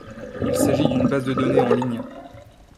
Il s'agit d'une base de données en ligne.